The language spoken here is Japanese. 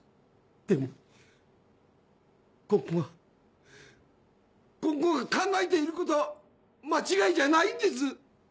でもこん子がこん子が考えていることは間違いじゃないんです！